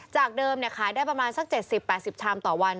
จากเดิมขายได้ประมาณสัก๗๐๘๐ชามต่อวัน